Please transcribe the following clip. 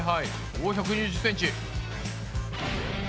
お１２０ｃｍ。